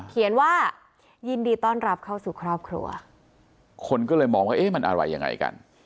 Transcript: เขียนว่ายินดีต้อนรับเข้าสู่ครอบครัวคนก็เลยมองว่าเอ๊ะมันอะไรยังไงกัน